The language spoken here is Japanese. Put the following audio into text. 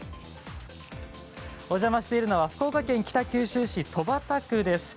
お邪魔しているのは北九州市戸畑区です。